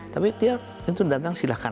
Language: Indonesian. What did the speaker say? tapi dia itu datang silahkan